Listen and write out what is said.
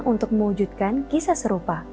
untuk mewujudkan kisah serupa